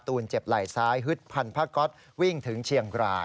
ตูนเจ็บไหล่ซ้ายฮึดพันภกษ์วิ่งถึงเชียงกราย